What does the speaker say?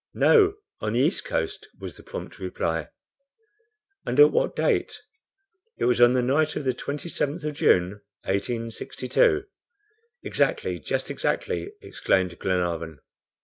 "No, on the east coast," was the prompt reply. "And at what date?" "It was on the night of the 27th of June, 1862." "Exactly, just exactly," exclaimed Glenarvan.